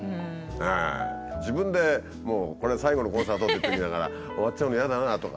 自分で「これ最後のコンサート」って言っておきながら「終わっちゃうの嫌だなあ」とか。